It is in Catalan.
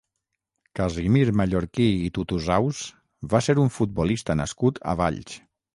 Casimir Mallorquí i Tutusaus va ser un futbolista nascut a Valls.